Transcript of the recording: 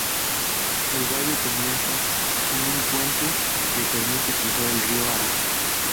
El valle comienza en un puente que permite cruzar el río Ara.